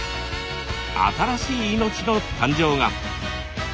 新しい命の誕生が！